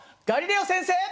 ガリレオ先生！